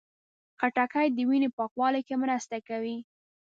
خټکی د وینې پاکوالي کې مرسته کوي.